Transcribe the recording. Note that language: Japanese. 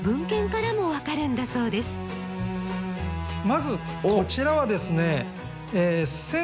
まずこちらはですね